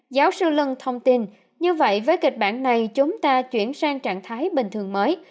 giáo sư lân thông tin như vậy với kịch bản này chúng ta chuyển sang trạng thái bình thường mới